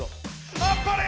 あっぱれ！